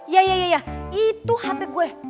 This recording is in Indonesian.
ya ya itu hp gue